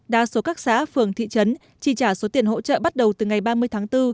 đa số các xã phường thị trấn tri trả số tiền hỗ trợ bắt đầu từ ngày ba mươi tháng bốn